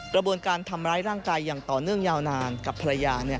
กระบวนการทำร้ายร่างกายอย่างต่อเนื่องยาวนานกับภรรยา